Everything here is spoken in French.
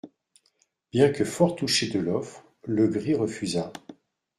Bien que fort touché de l'offre, Legris refusa.